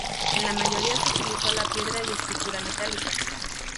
En la mayoría se utilizó la piedra y estructura metálica.